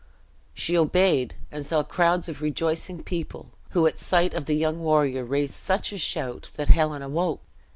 She obeyed, and saw crowds of rejoicing people, who at sight of the young warrior raised such a shout, that Helen awoke.